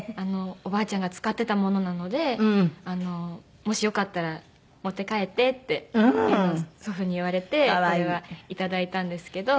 おばあちゃんが使ってたものなので「もしよかったら持って帰って」って祖父に言われてこれはいただいたんですけど。